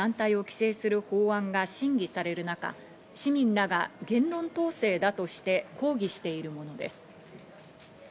外国資本が入った団体を規制する法案が審議される中、市民らが言論統制だとして抗議しているものです。